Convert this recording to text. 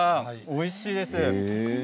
おいしいです。